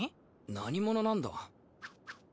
何者なんだ？